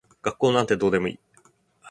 学校なんてどうでもいい。